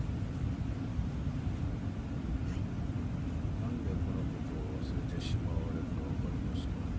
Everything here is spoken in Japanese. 何でこのことを忘れてしまわれるか分かりますか？